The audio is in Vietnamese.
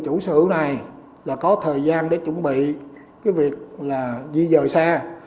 chủ sử này là có thời gian để chuẩn bị cái việc là di dời xe